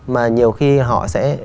mà nhiều khi họ sẽ